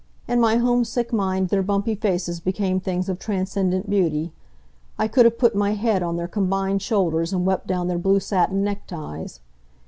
In my homesick mind their bumpy faces became things of transcendent beauty. I could have put my head on their combined shoulders and wept down their blue satin neckties.